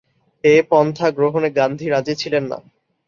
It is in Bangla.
এ পন্থা গ্রহণে গান্ধী রাজি ছিলেন না।